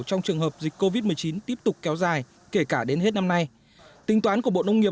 trong trường hợp dịch covid một mươi chín tiếp tục kéo dài kể cả đến hết năm nay tính toán của bộ nông nghiệp